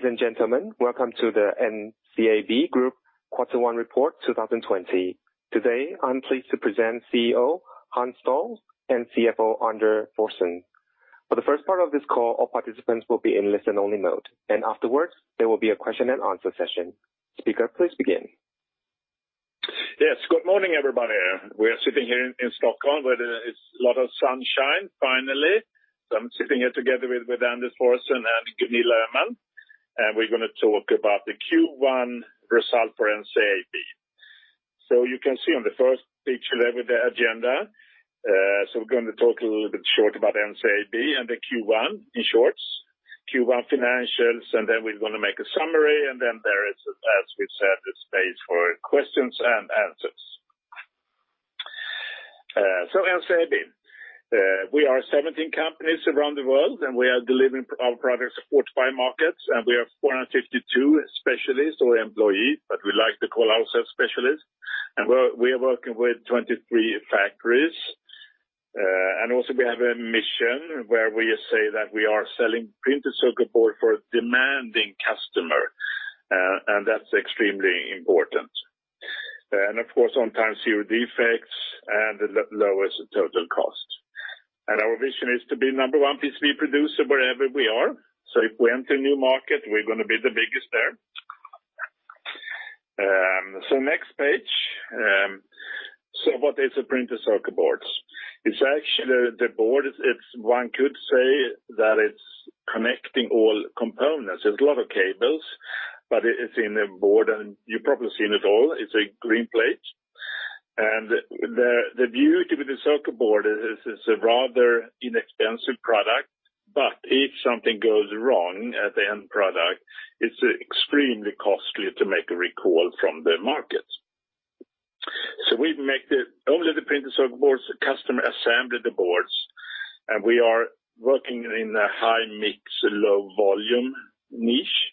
Ladies and gentlemen, welcome to the NCAB Group Quarter One Report two thousand and twenty. Today, I'm pleased to present CEO, Hans Ståhl, and CFO, Anders Forsén. For the first part of this call, all participants will be in listen only mode, and afterwards, there will be a question and answer session. Speaker, please begin. Yes, good morning, everybody. We are sitting here in Stockholm, where there is a lot of sunshine, finally. So I'm sitting here together with Anders Forsén and Jenny Lerman, and we're gonna talk about the Q1 result for NCAB. So you can see on the first page there with the agenda, so we're going to talk a little bit short about NCAB and the Q1, in short, Q1 financials, and then we're gonna make a summary, and then there is, as we said, a space for questions and answers. So NCAB. We are 17 companies around the world, and we are delivering our products to 45 markets, and we are 452 specialists or employees, but we like to call ourselves specialists. And we are working with 23 factories, and also we have a mission where we say that we are selling printed circuit board for a demanding customer, and that's extremely important. And, of course, on time, zero defects, and lowers the total cost. And our vision is to be number one PCB producer wherever we are. So if we enter a new market, we're gonna be the biggest there. So next page. So what is a printed circuit boards? It's actually the board, it's one could say that it's connecting all components. There's a lot of cables, but it's in a board, and you've probably seen it all. It's a green plate. And the beauty with the circuit board is, it's a rather inexpensive product, but if something goes wrong at the end product, it's extremely costly to make a recall from the market. So we make the only the printed circuit boards, the customer assembled the boards, and we are working in a high-mix, low-volume niche,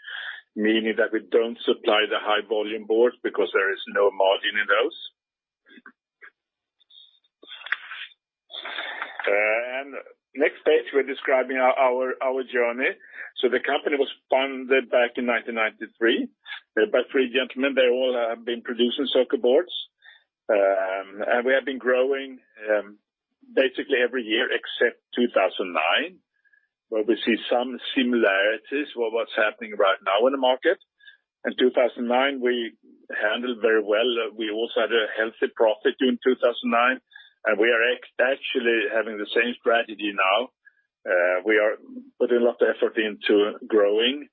meaning that we don't supply the high-volume boards because there is no margin in those. And next page, we're describing our journey. So the company was founded back in nineteen ninety-three by three gentlemen. They all have been producing circuit boards. And we have been growing basically every year except two thousand and nine, where we see some similarities with what's happening right now in the market. In two thousand and nine, we handled very well. We also had a healthy profit in two thousand and nine, and we are actually having the same strategy now. We are putting a lot of effort into growing,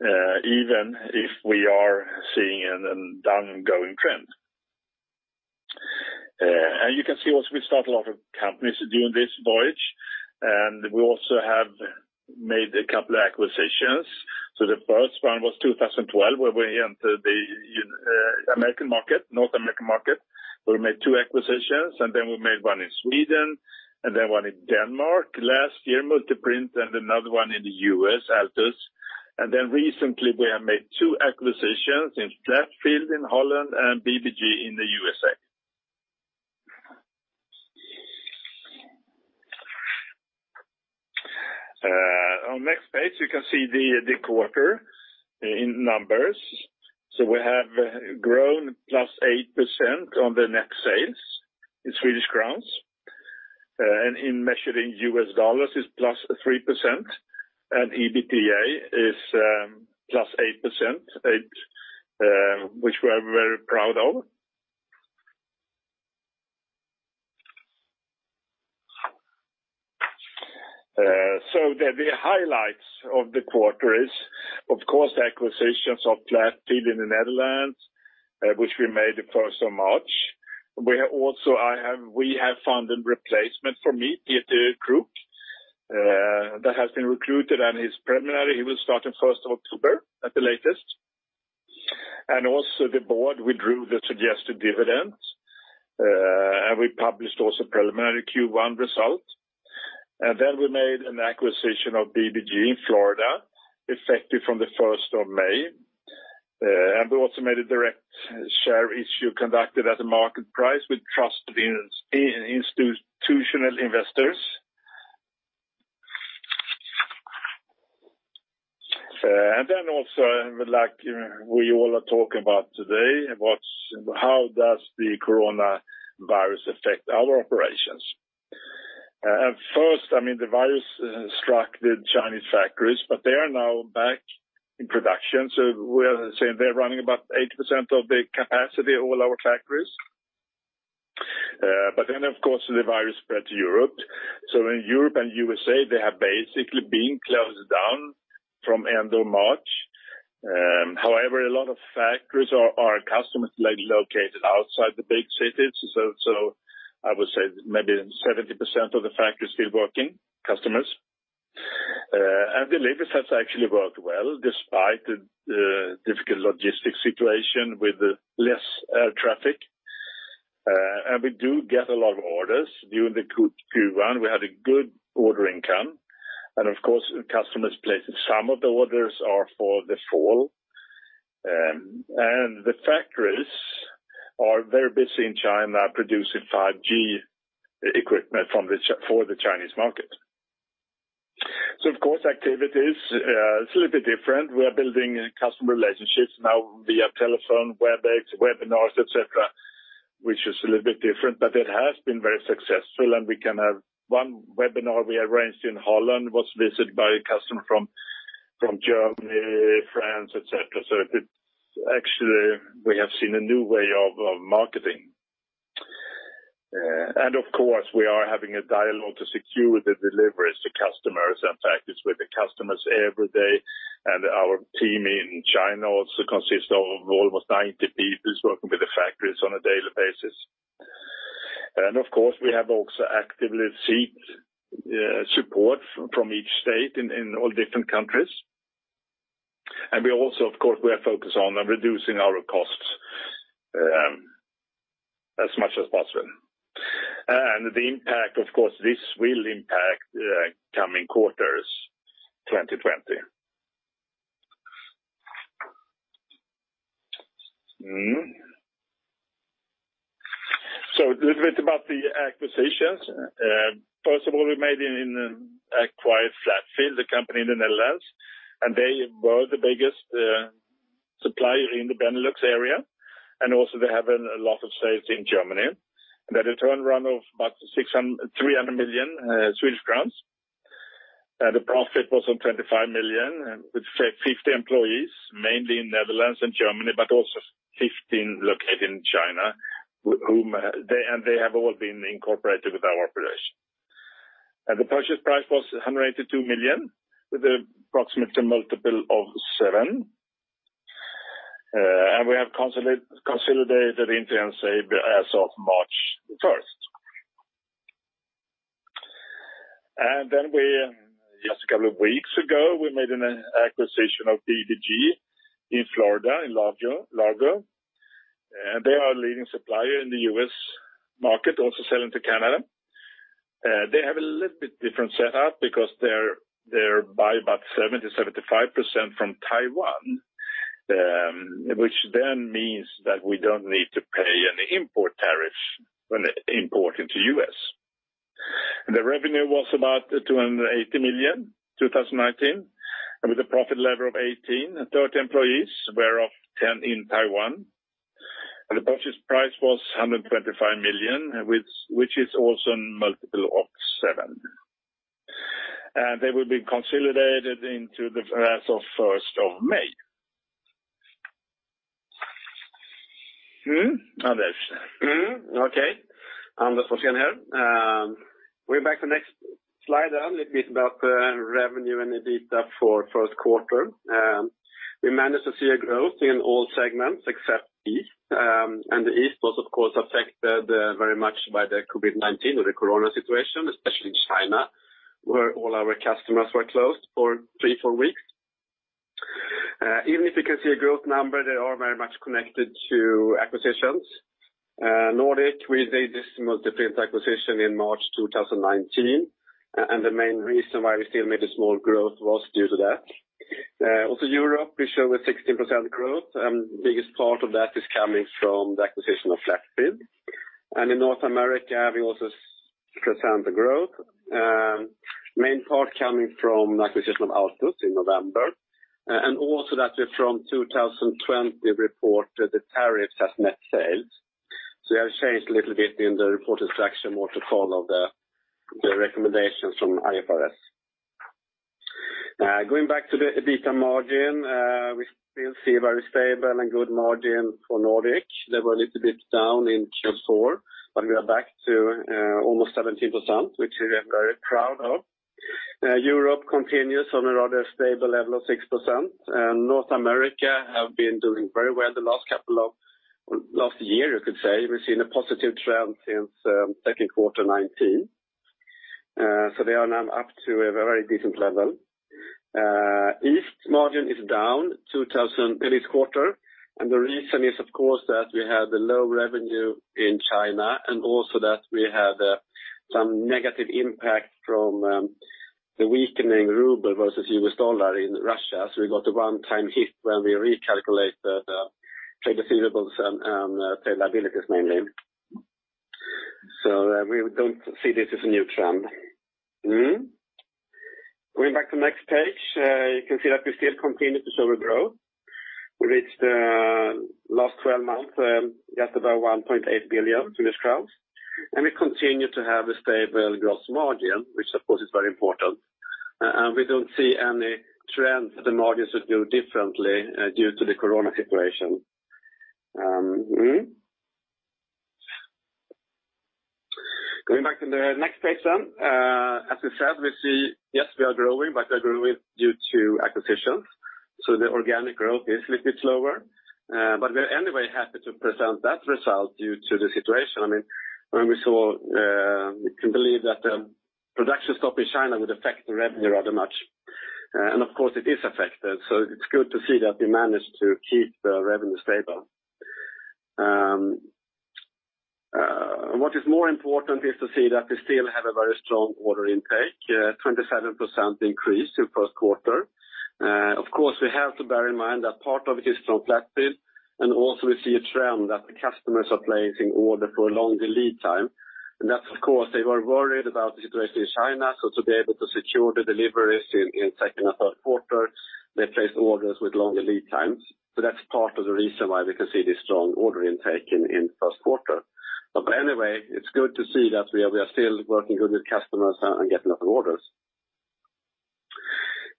even if we are seeing a downgoing trend. And you can see also, we start a lot of companies during this voyage, and we also have made a couple of acquisitions. So the first one was two thousand and twelve, where we entered the American market, North American market. We made two acquisitions, and then we made one in Sweden, and then one in Denmark. Last year, Multiprint, and another one in the US, Altus. And then recently, we have made two acquisitions in Flatfield, in Holland, and BBG in the USA. On next page, you can see the quarter in numbers. We have grown plus 8% on the net sales in Swedish crowns, and in measuring US dollars is plus 3%, and EBITDA is plus 8%, 8, which we are very proud of. The highlights of the quarter is, of course, the acquisitions of Flatfield in the Netherlands, which we made the first of March. We have also we have found a replacement for me, Peter Kruk, that has been recruited, and he's preliminary. He will start on first of October at the latest. Also, the board, we drew the suggested dividends, and we published also preliminary Q1 results. Then we made an acquisition of BBG in Florida, effective from the first of May. We also made a direct share issue conducted at a market price with trusted institutional investors. And then also, like, we all are talking about today, how does the coronavirus affect our operations? At first, I mean, the virus struck the Chinese factories, but they are now back in production. So we are saying they're running about 80% of the capacity of all our factories. But then, of course, the virus spread to Europe. So in Europe and USA, they have basically been closed down from end of March. However, a lot of factories are customers located outside the big cities. So I would say maybe 70% of the factories still working, customers. And the labor has actually worked well, despite the difficult logistics situation with less air traffic. And we do get a lot of orders. During the Q1, we had a good order income, and of course, customers placed some of the orders are for the fall.... and the factories are very busy in China producing 5G equipment for the Chinese market. So of course, activities, it's a little bit different. We are building customer relationships now via telephone, WebEx, webinars, et cetera, which is a little bit different, but it has been very successful, and we can have one webinar we arranged in Holland was visited by a customer from Germany, France, et cetera. So it actually, we have seen a new way of marketing. And of course, we are having a dialogue to secure the deliveries to customers and factories with the customers every day, and our team in China also consists of almost 90 people working with the factories on a daily basis. And of course, we have also actively seek support from each state in all different countries. And we also, of course, we are focused on reducing our costs, as much as possible. And the impact, of course, this will impact, coming quarters, 2020. So a little bit about the acquisitions. First of all, we acquired Flatfield, a company in the Netherlands, and they were the biggest supplier in the Benelux area, and also they have a lot of sales in Germany. They had a turnover of about 300 million Swedish crowns. The profit was on 25 million, with 50 employees, mainly in Netherlands and Germany, but also 15 located in China, and they have all been incorporated with our operation. And the purchase price was 182 million, with an approximate multiple of seven. And we have consolidated into NCAB as of March the first. And then, just a couple of weeks ago, we made an acquisition of BBG in Florida, in Largo. They are a leading supplier in the US market, also selling to Canada. They have a little bit different setup because they buy about 75% from Taiwan, which then means that we do not need to pay any import tariffs when they import into the US. The revenue was about $280 million in 2019, and with a profit level of 18%, and 30 employees, whereof 10 in Taiwan. And the purchase price was $125 million, which is also a multiple of 7. And they will be consolidated into NCAB as of the first of May. Mm-hmm? Anders. Mm-hmm, okay. Anders Forsén here. We'moonre back to the next slide, a little bit about the revenue and EBITDA for first quarter. We managed to see a growth in all segments except East, and the East was of course affected very much by the COVID-19 or the corona situation, especially in China, where all our customers were closed for three, four weeks. Even if you can see a growth number, they are very much connected to acquisitions. Nordic, we did this Multiprint acquisition in March two thousand and nineteen, and the main reason why we still made a small growth was due to that. Also Europe, we show a 16% growth, biggest part of that is coming from the acquisition of Flatfield. And in North America, we also present the growth, main part coming from acquisition of Altus in November, and also that from 2020 report, the tariffs has net sales. So we have changed a little bit in the reported structure, more to follow the recommendations from IFRS. Going back to the EBITDA margin, we still see a very stable and good margin for Nordic. They were a little bit down in Q4, but we are back to almost 17%, which we are very proud of. Europe continues on a rather stable level of 6%, and North America have been doing very well the last couple last year, you could say. We've seen a positive trend since second quarter 2019. So they are now up to a very decent level. East margin is down 2000 this quarter, and the reason is, of course, that we had a low revenue in China, and also that we had some negative impact from the weakening ruble versus US dollar in Russia. So we got a one-time hit when we recalculate the trade receivables and trade liabilities, mainly. So we don't see this as a new trend. Going back to the next page, you can see that we still continue to show a growth. We reached last twelve months just about 1.8 billion, and we continue to have a stable growth margin, which of course, is very important. We don't see any trends that the margins would do differently due to the corona situation. Going back to the next page then, as we said, we see, yes, we are growing, but we are growing due to acquisitions, so the organic growth is a little bit slower, but we're anyway happy to present that result due to the situation. I mean, when we saw, we can believe that the production stop in China would affect the revenue rather much, and of course, it is affected, so it's good to see that we managed to keep the revenue stable, and what is more important is to see that we still have a very strong order intake, 27% increase in first quarter. Of course, we have to bear in mind that part of it is from Flatfield, and also we see a trend that the customers are placing order for a longer lead time. And that's of course, they were worried about the situation in China, so to be able to secure the deliveries in second and third quarter, they placed orders with longer lead times. So that's part of the reason why we can see this strong order intake in first quarter. But anyway, it's good to see that we are still working good with customers and getting a lot of orders.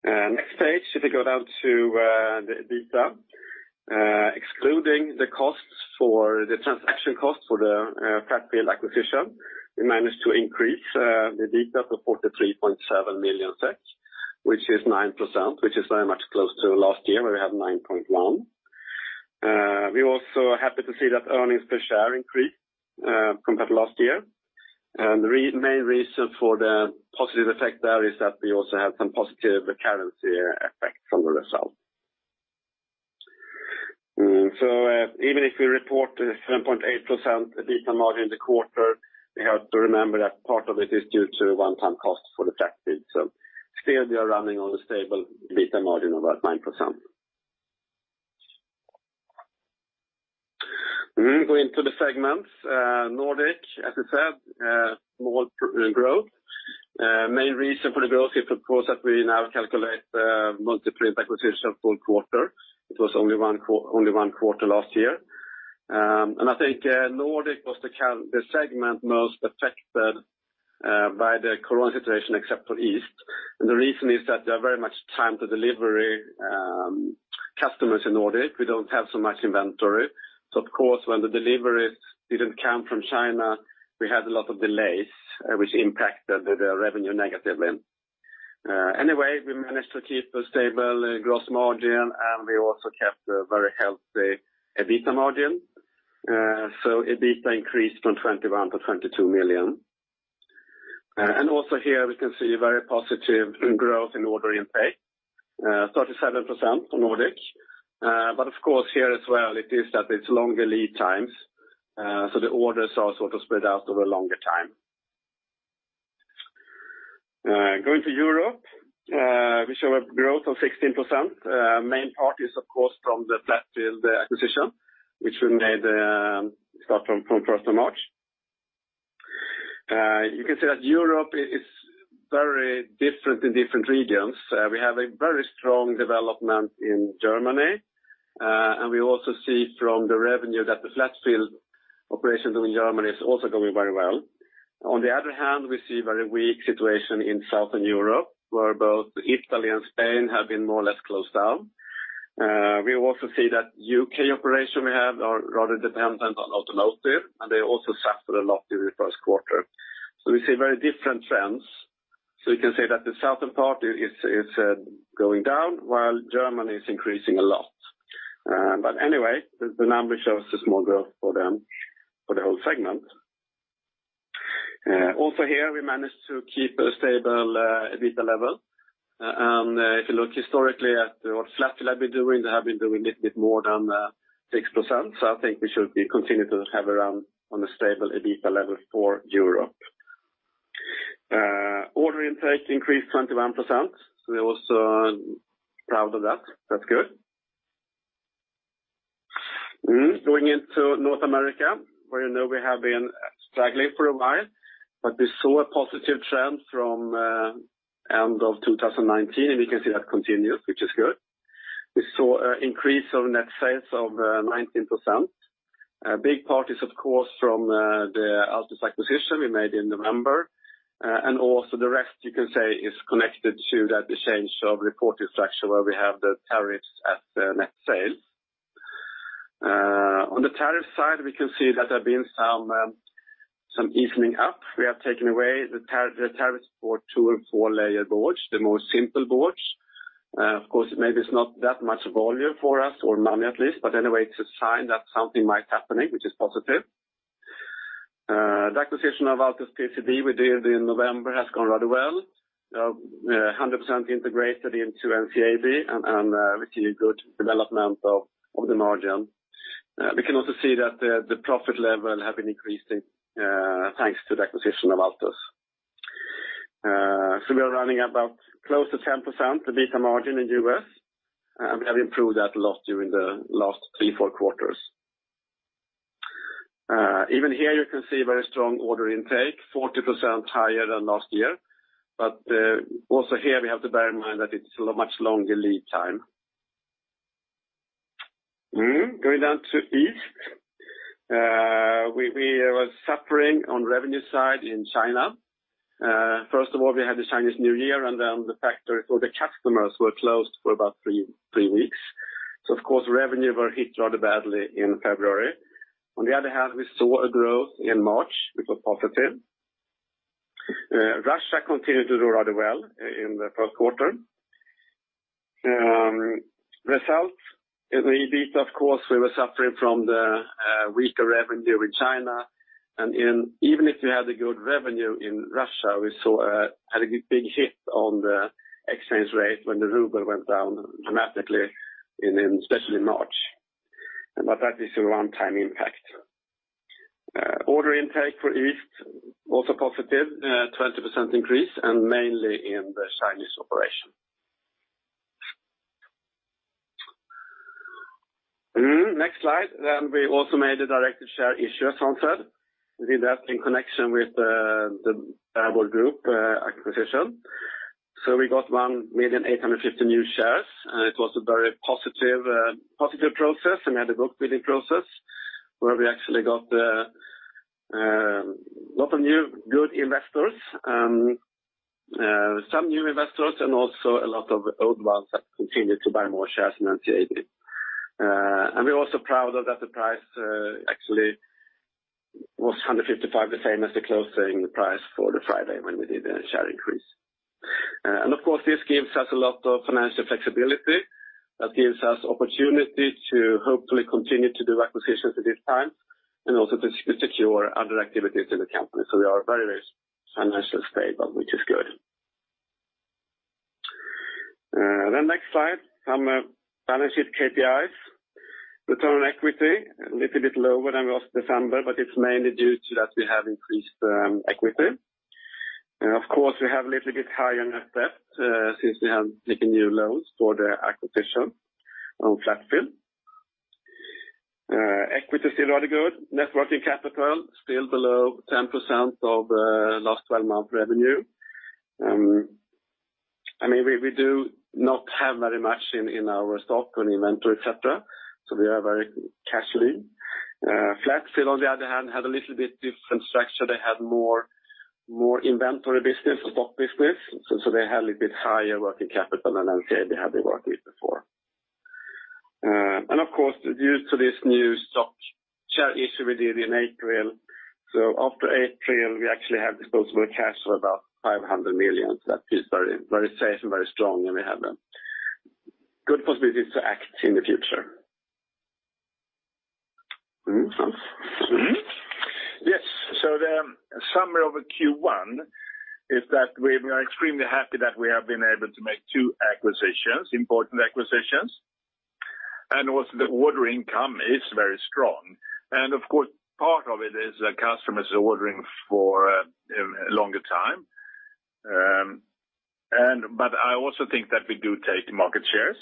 Next page, if we go down to the EBITDA. Excluding the costs for the transaction costs for the Flatfield acquisition, we managed to increase the EBITDA to 43.7 million SEK, which is 9%, which is very much close to last year, where we had 9.1%. We're also happy to see that earnings per share increased compared to last year. The main reason for the positive effect there is that we also have some positive currency effect from the result. So even if we report a 7.8% EBITDA margin in the quarter, we have to remember that part of it is due to one-time cost for the Flatfield. So still, we are running on a stable EBITDA margin of about 9%. Going to the segments, Nordic, as I said, small growth. Main reason for the growth is, of course, that we now calculate, Multiprint acquisition full quarter. It was only one quarter last year. And I think, Nordic was the segment most affected, by the current situation, except for East. And the reason is that they are very much time to delivery, customers in Nordic. We don't have so much inventory, so of course, when the deliveries didn't come from China, we had a lot of delays, which impacted the revenue negatively. Anyway, we managed to keep a stable gross margin, and we also kept a very healthy EBITDA margin, so EBITDA increased from 21 million to 22 million. And also here, we can see a very positive growth in order intake, 37% on Nordic. But of course, here as well, it is that it's longer lead times, so the orders are sort of spread out over a longer time. Going to Europe, we show a growth of 16%. Main part is, of course, from the Flatfield acquisition, which we made starting from first of March. You can say that Europe is very different in different regions. We have a very strong development in Germany, and we also see from the revenue that the Flatfield operations in Germany is also going very well. On the other hand, we see a very weak situation in Southern Europe, where both Italy and Spain have been more or less closed down. We also see that UK operation we have are rather dependent on automotive, and they also suffered a lot during the first quarter. So we see very different trends. So we can say that the southern part is going down, while Germany is increasing a lot. But anyway, the number shows a small growth for them, for the whole segment. Also here, we managed to keep a stable EBITDA level. And if you look historically at what Flatfield have been doing, they have been doing a little bit more than 6%. So I think we should be continue to have around on a stable EBITDA level for Europe. Order intake increased 21%. We're also proud of that. That's good. Going into North America, where I know we have been struggling for a while, but we saw a positive trend from end of 2019, and we can see that continue, which is good. We saw a increase of net sales of 19%. A big part is, of course, from the Altus acquisition we made in November. And also the rest, you can say, is connected to that the change of reported structure, where we have the tariffs at the net sales. On the tariff side, we can see that there have been some evening up. We have taken away the tariffs for two and four-layer boards, the most simple boards. Of course, maybe it's not that much volume for us, or money at least, but anyway, it's a sign that something might happening, which is positive. The acquisition of Altus PCB we did in November has gone rather well. 100% integrated into NCAB and we see a good development of the margin. We can also see that the profit level have been increasing thanks to the acquisition of Altus. So we are running about close to 10% EBITDA margin in US, and we have improved that a lot during the last three, four quarters. Even here, you can see very strong order intake, 40% higher than last year, but also here, we have to bear in mind that it's a much longer lead time. Going down to East, we were suffering on revenue side in China. First of all, we had the Chinese New Year, and then the factory, or the customers were closed for about three weeks. So of course, revenue were hit rather badly in February. On the other hand, we saw a growth in March, which was positive. Russia continued to do rather well in the first quarter. Result, EBITDA, of course, we were suffering from the weaker revenue in China, and even if we had a good revenue in Russia, we had a big hit on the exchange rate when the ruble went down dramatically. In especially March, but that is a one-time impact. Order intake for East also positive, 20% increase and mainly in the Chinese operation. Next slide, then we also made a directed share issue, Hans Ståhl. We did that in connection with the World Group acquisition. So we got 1,850 new shares, and it was a very positive process, and we had a book building process where we actually got a lot of new good investors, some new investors and also a lot of old ones that continued to buy more shares in NCAB. We're also proud that the price actually was 155, the same as the closing price for the Friday when we did the share increase. And of course, this gives us a lot of financial flexibility, that gives us opportunity to hopefully continue to do acquisitions at this time, and also to secure other activities in the company. So we are very, very financially stable, which is good. Then next slide, some balance sheet KPIs. Return on equity, a little bit lower than we was December, but it's mainly due to that we have increased equity. And of course, we have a little bit higher net debt since we have taken new loans for the acquisition on Flatfield. Equity is still rather good. Net working capital, still below 10% of last 12-month revenue. I mean, we do not have very much in our stock and inventory, et cetera, so we are very cashly. Flatfield, on the other hand, had a little bit different structure. They had more inventory business, stock business, so they had a little bit higher working capital than NCAB had been working with before. And of course, due to this new stock share issue we did in April, so after April, we actually have disposable cash for about 500 million. That is very, very safe and very strong, and we have good possibilities to act in the future. Hans? Mm-hmm. Yes, so the summary of Q1 is that we are extremely happy that we have been able to make two acquisitions, important acquisitions, and also the order intake is very strong. And of course, part of it is the customers are ordering for a longer time. But I also think that we do take market shares.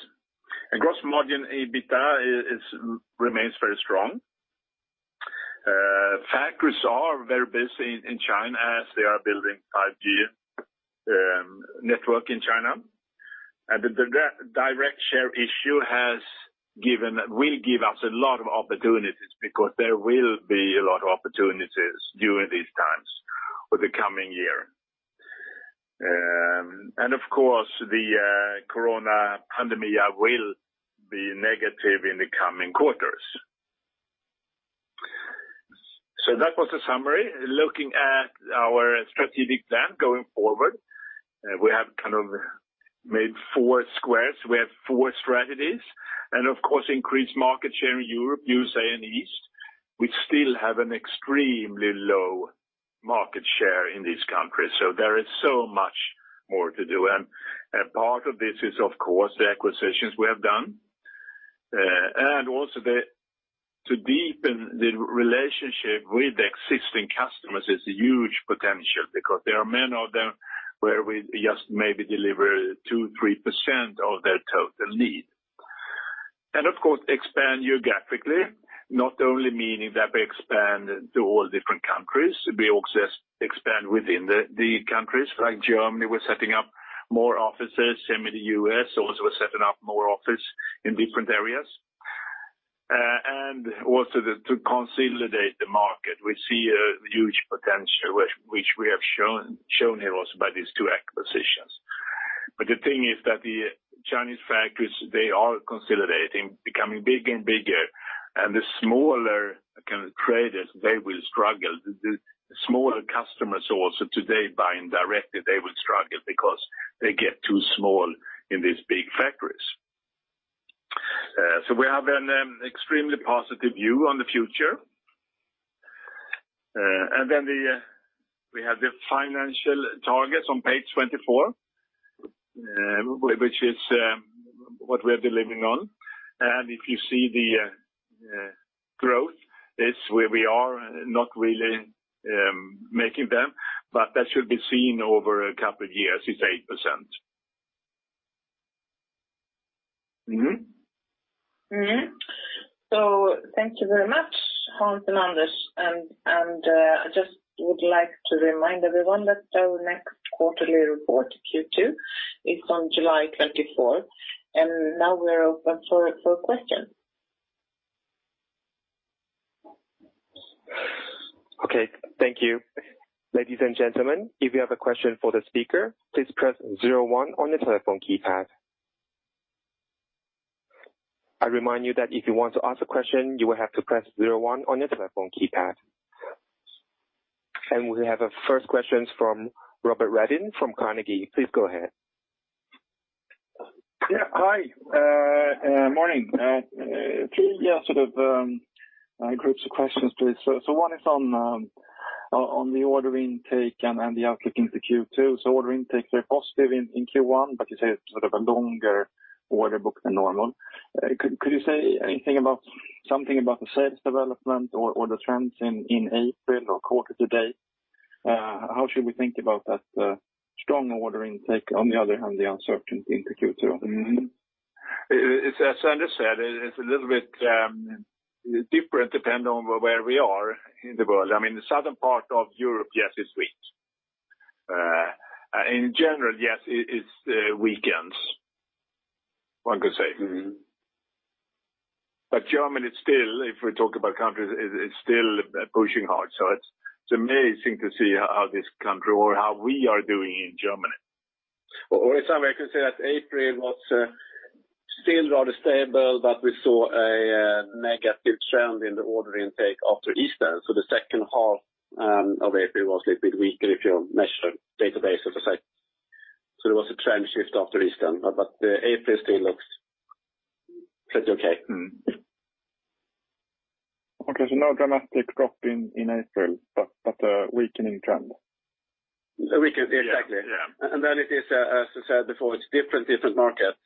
And gross margin, EBITDA remains very strong. Factories are very busy in China as they are building 5G network in China. And the direct share issue has given... will give us a lot of opportunities because there will be a lot of opportunities during these times for the coming year. And of course, the corona pandemic will be negative in the coming quarters. So that was the summary. Looking at our strategic plan going forward, we have kind of made four squares. We have four strategies, and of course, increased market share in Europe, USA, and East. We still have an extremely low market share in these countries, so there is so much more to do. And part of this is, of course, the acquisitions we have done, and also to deepen the relationship with the existing customers is a huge potential because there are many of them where we just maybe deliver 2-3% of their total need. And of course, expand geographically, not only meaning that we expand to all different countries, we also expand within the countries. Like Germany, we're setting up more offices, same in the US, also we're setting up more offices in different areas. And also to consolidate the market, we see a huge potential, which we have shown here also by these two acquisitions. But the thing is that the Chinese factories, they are consolidating, becoming bigger and bigger, and the smaller kind of traders, they will struggle. The smaller customers also today buying directly, they will struggle because they get too small in these big factories. So we have an extremely positive view on the future. And then we have the financial targets on page 24, which is what we are delivering on. And if you see the growth, it's where we are, not really making them, but that should be seen over a couple of years, it's 8%. Mm-hmm. Mm-hmm. Thank you very much, Hans Ståhl and Anders Forsén. I just would like to remind everyone that our next quarterly report, Q2, is on July twenty-fourth, and now we're open for questions. Okay, thank you. Ladies and gentlemen, if you have a question for the speaker, please press zero one on your telephone keypad. I remind you that if you want to ask a question, you will have to press zero one on your telephone keypad. And we have our first questions from Robert Redin from Carnegie. Please go ahead. Yeah. Hi, morning. Yeah, sort of groups of questions, please. So one is on the order intake and the outlook into Q2. Order intake, they're positive in Q1, but you say it's sort of a longer order book than normal. Could you say something about the sales development or the trends in April or quarter to date? How should we think about that strong order intake, on the other hand, the uncertainty into Q2? Mm-hmm. It's as Anders said, it's a little bit different depending on where we are in the world. I mean, the southern part of Europe, yes, it's weak. In general, yes, it's weakened, one could say. Mm-hmm. But Germany is still, if we talk about countries, it's still pushing hard. So it's amazing to see how this country or how we are doing in Germany. In some way, I can say that April was still rather stable, but we saw a negative trend in the order intake after Easter. So the second half of April was a little bit weaker if you measure day by day basis, as I say. So there was a trend shift after Easter, but April still looks pretty okay. Mm-hmm. Okay, so no dramatic drop in April, but a weakening trend? A weakened, exactly. Yeah, yeah, and then it is, as I said before, it's different, different markets.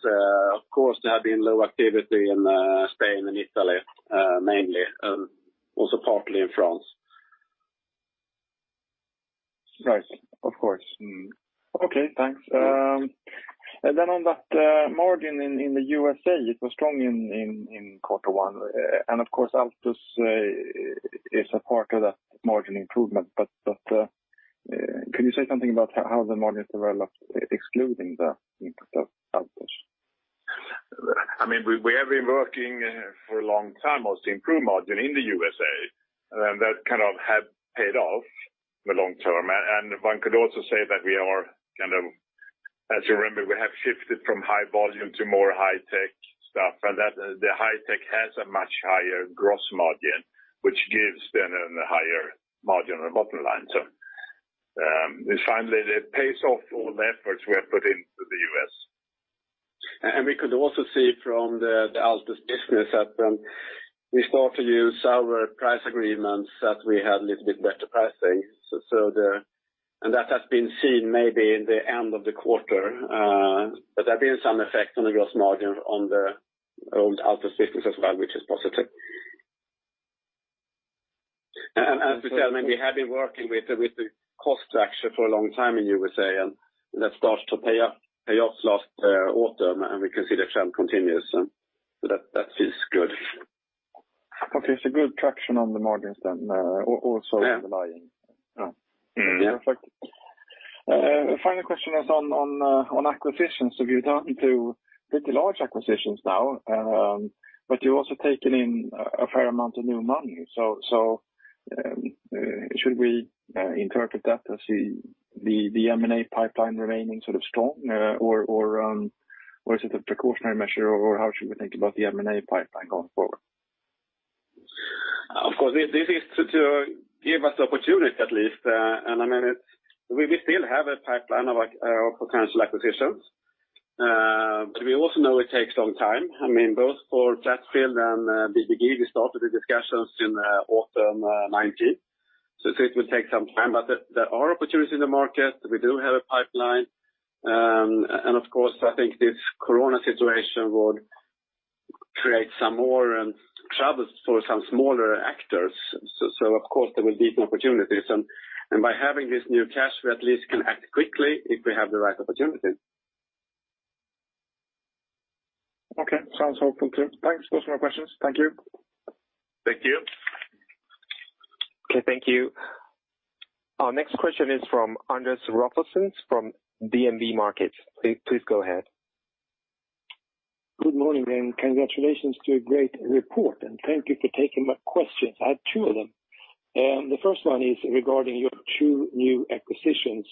Of course, there have been low activity in Spain and Italy, mainly, also partly in France. Right. Of course. Mm-hmm. Okay, thanks. And then on that, margin in the USA, it was strong in quarter one. And of course, Altus is a part of that margin improvement. But, can you say something about how the margin has developed excluding the input of Altus? I mean, we have been working for a long time on to improve margin in the USA, and that kind of have paid off in the long term. One could also say that we are kind of, as you remember, we have shifted from high volume to more high tech stuff, and that the high tech has a much higher gross margin, which gives then a higher margin on the bottom line. Finally, it pays off all the efforts we have put into the US. We could also see from the Altus business that we start to use our price agreements, that we have a little bit better pricing. And that has been seen maybe in the end of the quarter, but there have been some effect on the gross margin on the old Altus business as well, which is positive. And to tell, I mean, we have been working with the cost structure for a long time in USA, and that started to pay off last autumn, and we can see the trend continues, so that feels good. Okay, so good traction on the margins then, also- Yeah on the line. Mm-hmm. Yeah. The final question is on acquisitions. So you're down to pretty large acquisitions now, but you're also taking in a fair amount of new money. So should we interpret that as the M&A pipeline remaining sort of strong? Or is it a precautionary measure, or how should we think about the M&A pipeline going forward? Of course, this is to give us the opportunity, at least, and I mean, we still have a pipeline of potential acquisitions. But we also know it takes some time. I mean, both for Flatfield and BBG, we started the discussions in autumn 2019. So it will take some time, but there are opportunities in the market. We do have a pipeline. And of course, I think this corona situation would create some more troubles for some smaller actors. So of course, there will be some opportunities. And by having this new cash, we at least can act quickly if we have the right opportunity. Okay, sounds hopeful, too. Thanks. Those are my questions. Thank you. Thank you. Okay, thank you. Our next question is from Andres Rolfsson, from DNB Markets. Please go ahead. Good morning, and congratulations to a great report, and thank you for taking my questions. I have two of them. The first one is regarding your two new acquisitions.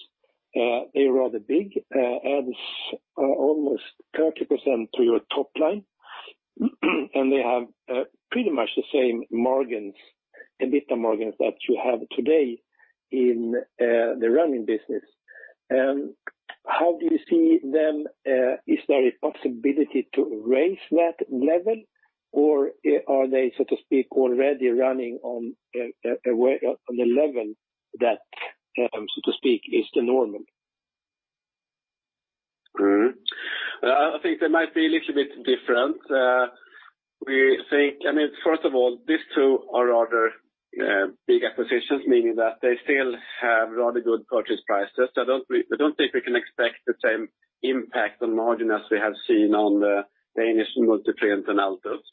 They're rather big adds, almost 30% to your top line, and they have pretty much the same margins, EBITDA margins, that you have today in the running business. How do you see them? Is there a possibility to raise that level, or are they, so to speak, already running on a way on a level that, so to speak, is the normal? I think they might be a little bit different. We think. I mean, first of all, these two are rather big acquisitions, meaning that they still have rather good purchase prices. I don't think we can expect the same impact on margin as we have seen on the Danish Multiprint and Altus.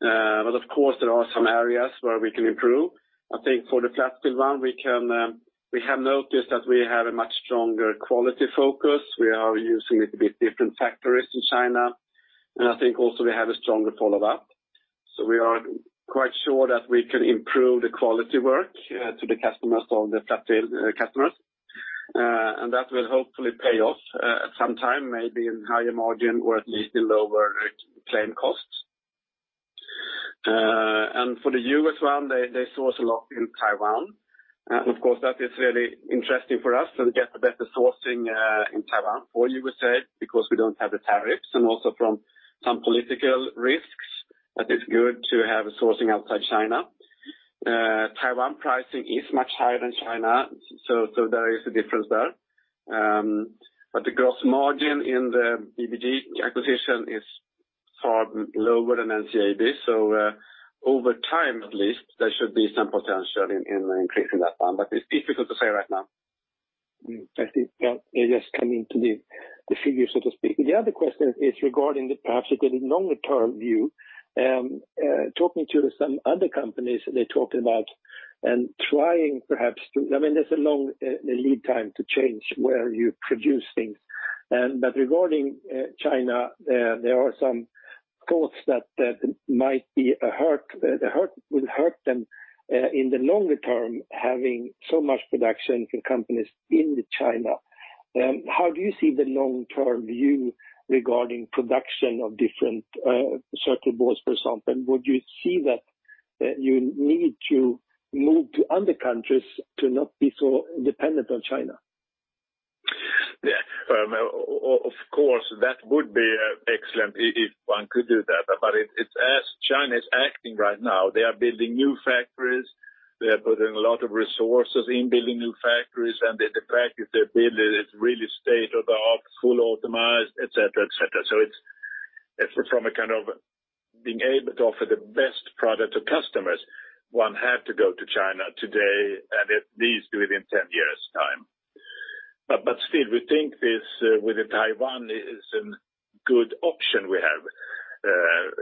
But of course, there are some areas where we can improve. I think for the Flatfield one, we can. We have noticed that we have a much stronger quality focus. We are using a little bit different factories in China, and I think also we have a stronger follow-up. We are quite sure that we can improve the quality work to the customers, or the Flatfield customers. And that will hopefully pay off at some time, maybe in higher margin or at least in lower claim costs. And for the U.S. one, they source a lot in Taiwan. Of course, that is really interesting for us, and get the better sourcing in Taiwan, as you would say, because we don't have the tariffs and also from some political risks. That is good to have a sourcing outside China. Taiwan pricing is much higher than China, so there is a difference there. But the gross margin in the BBG acquisition is far lower than NCAB, so over time, at least, there should be some potential in increasing that one, but it's difficult to say right now. Mm. I think, yeah, it just come into the figure, so to speak. The other question is regarding the, perhaps, like a longer-term view, talking to some other companies, they're talking about and trying perhaps to-- I mean, there's a long lead time to change where you produce things. But regarding China, there are some thoughts that might be a hurt, the hurt- will hurt them in the longer term, having so much production companies in China. How do you see the long-term view regarding production of different circuit boards, for example? Would you see that you need to move to other countries to not be so depdent on China? Yeah. Well, of course that would be excellent if one could do that. But as China is acting right now, they are building new factories, they are putting a lot of resources in building new factories, and the fact is their building is really state-of-the-art, fully optimized, et cetera, et cetera. So it's from a kind of being able to offer the best product to customers, one have to go to China today, and at least within 10 years' time. But still, we think this with Taiwan is a good option we have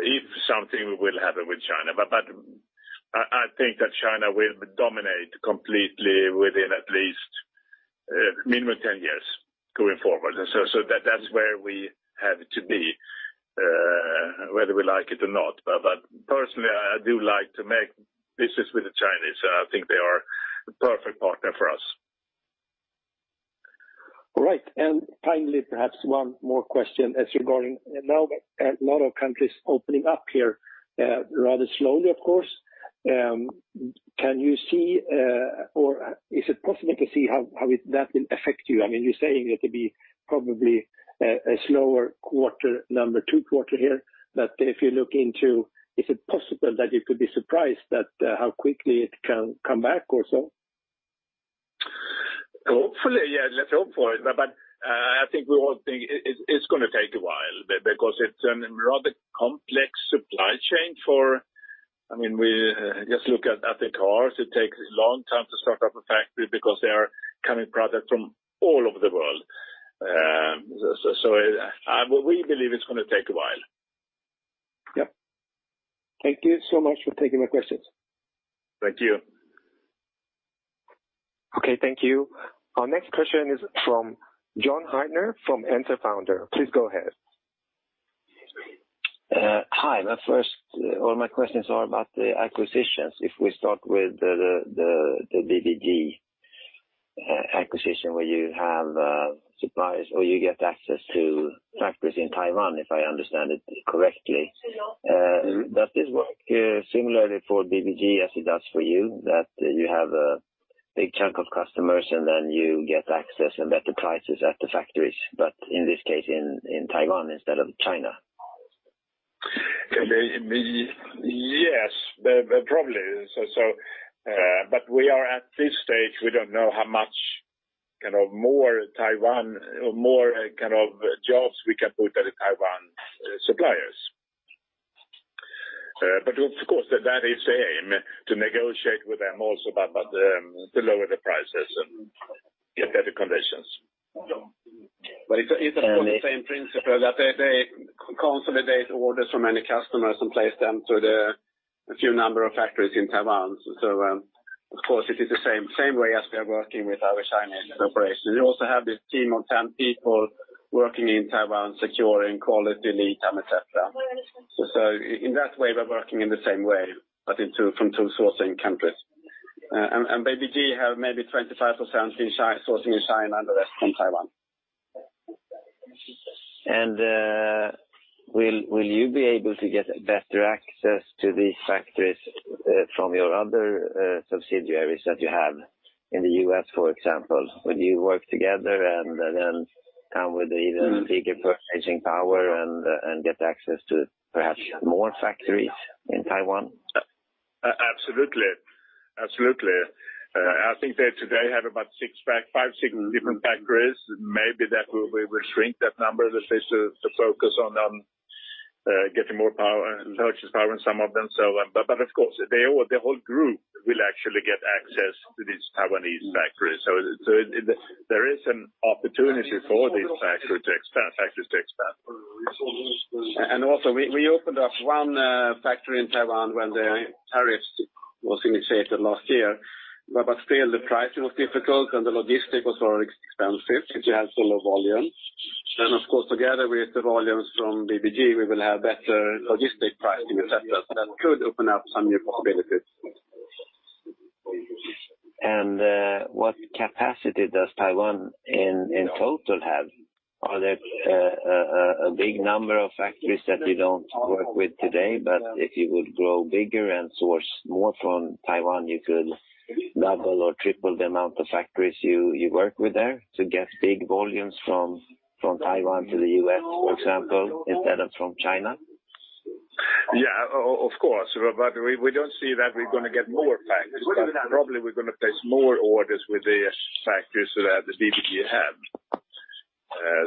if something will happen with China. But I think that China will dominate completely within at least minimum 10 years going forward. So that's where we have to be, whether we like it or not. Personally, I do like to make business with the Chinese. I think they are the perfect partner for us. All right. And finally, perhaps one more question as regarding now that a lot of countries opening up here, rather slowly, of course. Can you see, or is it possible to see how that will affect you? I mean, you're saying it could be probably a slower quarter, number two quarter here, but if you look into, is it possible that you could be surprised at how quickly it can come back or so? Hopefully, yeah, let's hope for it. But I think we all think it, it's gonna take a while because it's a rather complex supply chain for... I mean, we just look at the cars. It takes a long time to start up a factory because they are carrying product from all over the world. So we believe it's gonna take a while. Yep. Thank you so much for taking my questions. Thank you. Okay, thank you. Our next question is from Jon Hyltner, from Enter Fonder. Please go ahead. Hi, but first, all my questions are about the acquisitions. If we start with the BBG acquisition, where you have suppliers, or you get access to factories in Taiwan, if I understand it correctly. Does this work similarly for BBG as it does for you, that you have a big chunk of customers, and then you get access and better prices at the factories, but in this case, in Taiwan instead of China? Yes, probably, but we are at this stage. We don't know how much more Taiwan jobs we can put at the Taiwan suppliers. Of course, that is the aim, to negotiate with them also about to lower the prices and get better conditions. But it's the same principle that they consolidate orders from many customers and place them to the few number of factories in Taiwan. So, of course, it is the same way as we are working with our Chinese operation. We also have this team of 10 people working in Taiwan, securing quality, lead time, et cetera. So in that way, we're working in the same way, but from two sourcing countries. And BBG have maybe 25% in China, sourcing in China, and the rest from Taiwan. Will you be able to get better access to these factories from your other subsidiaries that you have in the U.S., for example? Will you work together and then come with even bigger purchasing power and get access to perhaps more factories in Taiwan? Absolutely. Absolutely. I think they today have about five, six different factories. Maybe that we will shrink that number at least to focus on getting more purchasing power in some of them. So, but of course, the whole group will actually get access to these Taiwanese factories. So there is an opportunity for these factories to expand. We also opened up one factory in Taiwan when the tariffs was initiated last year. But still, the pricing was difficult and the logistics was very expensive since you have so low volume. Then, of course, together with the volumes from BBG, we will have better logistics pricing, et cetera, that could open up some new possibilities. What capacity does Taiwan, in total, have? Are there a big number of factories that you don't work with today, but if you would grow bigger and source more from Taiwan, you could double or triple the amount of factories you work with there to get big volumes from Taiwan to the US, for example, instead of from China? Yeah, of course, but we don't see that we're gonna get more factories. Probably, we're gonna place more orders with the factories that they have.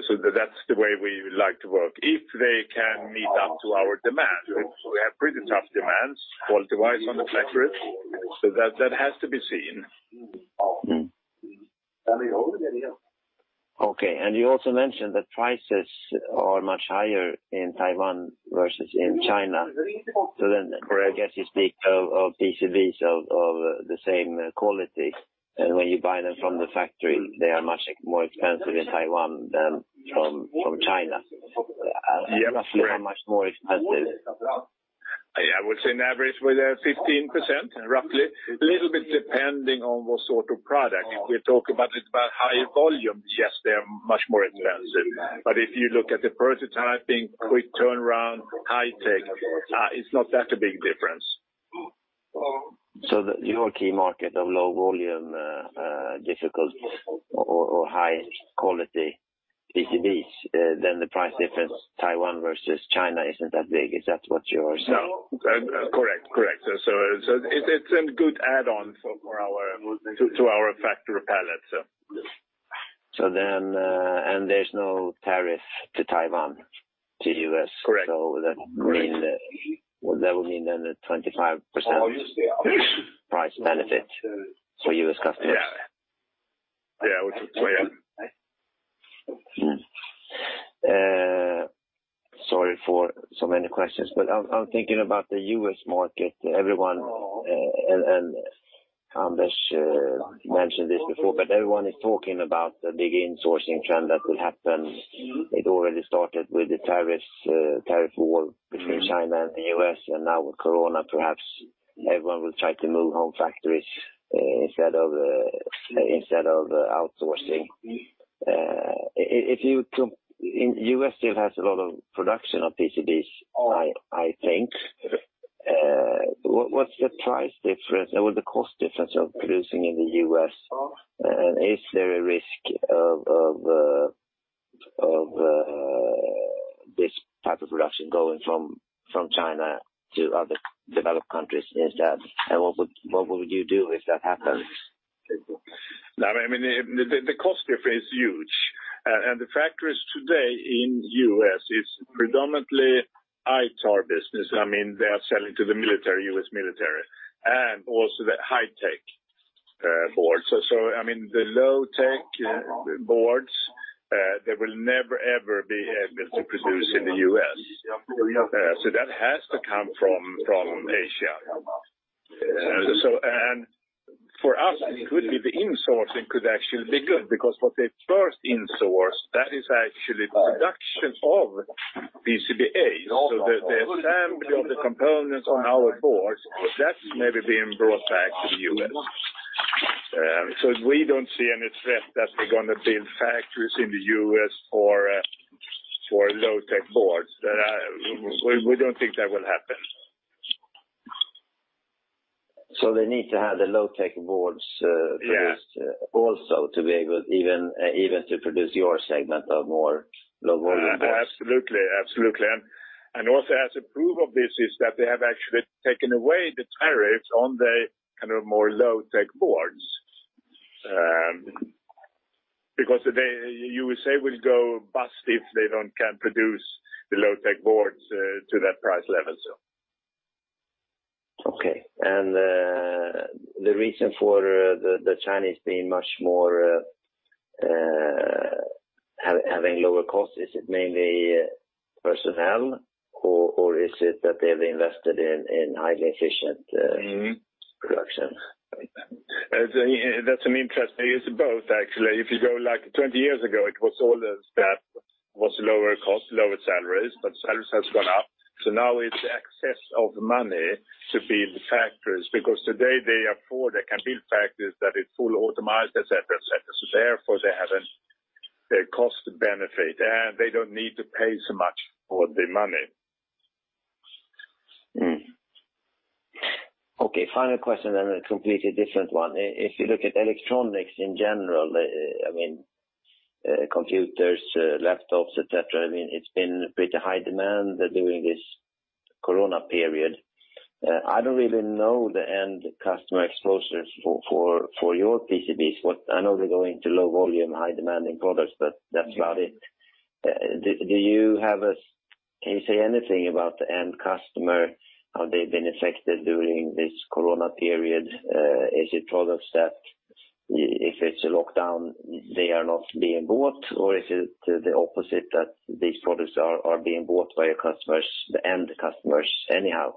So that's the way we would like to work, if they can meet up to our demand. We have pretty tough demands for quality on the factories, so that has to be seen. Okay, and you also mentioned that prices are much higher in Taiwan versus in China. So then I guess you speak of PCBs of the same quality, and when you buy them from the factory, they are much more expensive in Taiwan than from China. Yeah, correct. Roughly how much more expensive? I would say on average, we're 15%, roughly. A little bit depending on what sort of product. If we talk about it, about high volume, yes, they are much more expensive. But if you look at the prototyping, quick turnaround, high tech, it's not that a big difference. So the... Your key market of low volume, difficult or high quality PCBs, then the price difference, Taiwan versus China isn't that big. Is that what you are saying? Correct. It's a good add-on to our factory palette, so. There's no tariff to Taiwan, to U.S. Correct. So that would mean, well, that would mean then a 25% price benefit for US customers. Yeah. Yeah, we could say, yeah. Sorry for so many questions, but I'm thinking about the U.S. market. Everyone and Anders mentioned this before, but everyone is talking about the big insourcing trend that could happen. It already started with the tariffs, tariff war between China and the U.S., and now with Corona, perhaps everyone will try to move home factories, instead of outsourcing. U.S. still has a lot of production of PCBs, I think. Yes. What's the price difference or the cost difference of producing in the US? And is there a risk of this type of production going from China to other developed countries? And what would you do if that happens? Now, I mean, the cost difference is huge. And the factories today in U.S. is predominantly ITAR business. I mean, they are selling to the military, U.S. military, and also the high-tech boards. So, I mean, the low-tech boards, they will never, ever be able to produce in the U.S. So that has to come from Asia. So, and for us, it could be the insourcing could actually be good, because what they first insource, that is actually production of PCBA. So the assembly of the components on our boards, that's maybe being brought back to the U.S. So we don't see any threat that we're gonna build factories in the U.S. for low-tech boards. We don't think that will happen. They need to have the low tech boards. Yeah... Also, to be able even to produce your segment of more low volume boards. Absolutely. Absolutely. And also as a proof of this is that they have actually taken away the tariffs on the kind of more low tech boards. Because the USA will go bust if they can't produce the low tech boards to that price level, so. Okay. And, the reason for the Chinese being much more having lower costs, is it mainly personnel or is it that they've invested in highly efficient, Mm-hmm... production? That's an interesting... It's both, actually. If you go like twenty years ago, it was all that, was lower cost, lower salaries, but salaries has gone up. So now it's access to money to build the factories, because today they afford, they can build factories that is fully automated, et cetera, et cetera. So therefore, they have a cost benefit, and they don't need to pay so much for the money. Okay, final question, and a completely different one. If you look at electronics in general, I mean, computers, laptops, et cetera, I mean, it's been pretty high demand during this Corona period. I don't really know the end customer exposure for your PCBs. I know we're going to high-mix low-volume products, but that's about it. Can you say anything about the end customer? Have they been affected during this Corona period? Is it products that if it's a lockdown, they are not being bought, or is it the opposite, that these products are being bought by your customers, the end customers anyhow?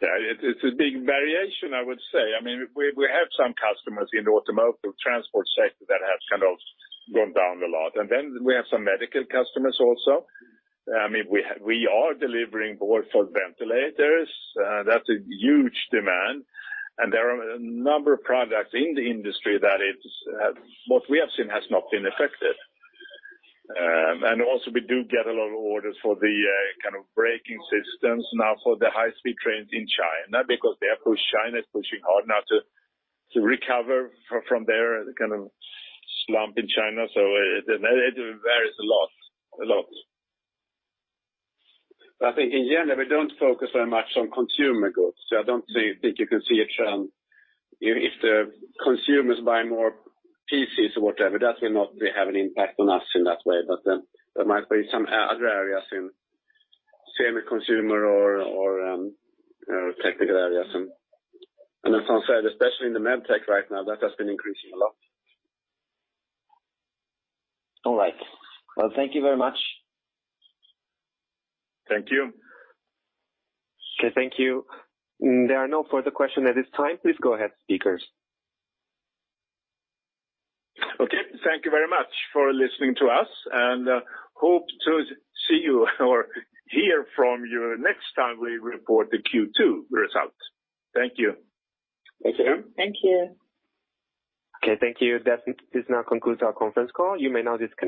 Yeah, it's a big variation, I would say. I mean, we have some customers in the automotive transport sector that has kind of gone down a lot, and then we have some medical customers also. I mean, we are delivering boards for ventilators. That's a huge demand, and there are a number of products in the industry that what we have seen has not been affected. And also we do get a lot of orders for the kind of braking systems now for the high-speed trains in China, because China is pushing hard now to recover from their kind of slump in China. So it varies a lot. A lot. But I think in general, we don't focus very much on consumer goods, so I don't think you can see a trend. If the consumers buy more PCs or whatever, that will not have an impact on us in that way, but there might be some other areas in semi-consumer or technical areas. And as I said, especially in the med tech right now, that has been increasing a lot. All right. Thank you very much. Thank you. Okay, thank you. There are no further questions at this time. Please go ahead, speakers. Okay, thank you very much for listening to us, and hope to see you or hear from you next time we report the Q2 results. Thank you. Thank you. Thank you. Okay, thank you. That does now conclude our conference call. You may now disconnect.